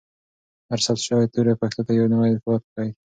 هر ثبت شوی توری پښتو ته یو نوی قوت بښي.